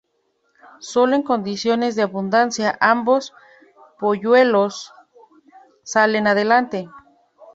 Sólo en condiciones de abundancia ambos polluelos salen adelante.